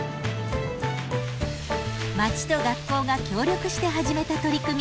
町と学校が協力して始めた取り組み